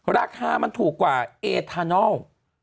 ราคามันถูกกว่าเอทานัล